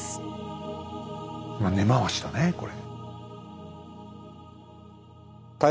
根回しだねこれ。